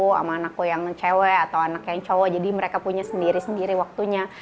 sama anakku yang cewek atau anak yang cowok jadi mereka punya sendiri sendiri waktunya